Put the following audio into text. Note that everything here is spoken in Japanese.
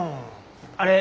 あれ？